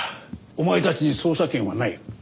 お前たちに捜査権はない。